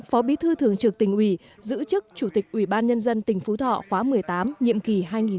phó bí thư thường trực tỉnh ủy giữ chức chủ tịch ủy ban nhân dân tỉnh phú thọ khóa một mươi tám nhiệm kỳ hai nghìn một mươi sáu hai nghìn hai mươi một